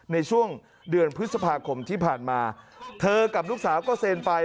ในช่วงเดือนพฤษภาคมที่ผ่านมาเธอกับลูกสาวก็เซ็นไป